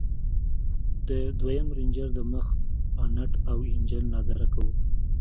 د دويم رېنجر د مخ بانټ او انجن لادرکه و.